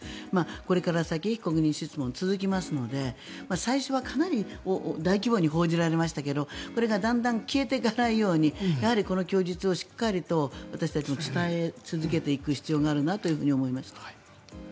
これから先被告人質問続きますので最初はかなり大規模に報じられましたがだんだん消えていかないようにやはり供述をしっかりと私たちも伝え続けていく必要があるなと思いました。